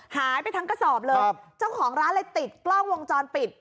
หายไปทั้งกระสอบเลยเจ้าของร้านเลยติดกล้องวงจรปิด